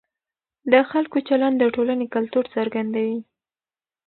د خلکو چلند د ټولنې کلتور څرګندوي.